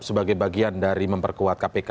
sebagai bagian dari memperkuat kpk